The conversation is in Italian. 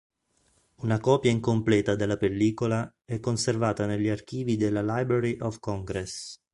Una copia incompleta della pellicola è conservata negli archivi della Library of Congress.